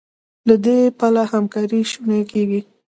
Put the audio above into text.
له دې پله همکاري شونې کېږي.